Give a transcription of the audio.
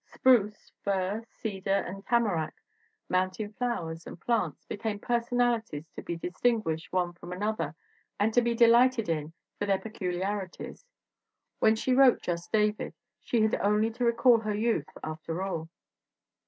Spruce, fir, cedar and tamarack, mountain flowers and plants, became personalities to be distin guished one from another and to be delighted in for their peculiarities. When she wrote Just David she had only to recall her youth, after all.